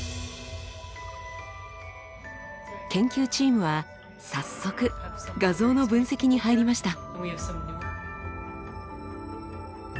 研究チームは早速画像の分析に入りました。